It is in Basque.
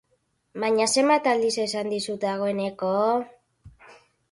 Baina zenbat aldiz esan dizut dagoeneko?